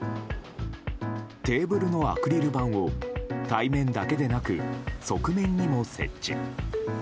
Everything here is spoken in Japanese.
テーブルのアクリル板を対面だけでなく側面にも設置。